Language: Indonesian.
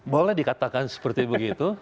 boleh dikatakan seperti begitu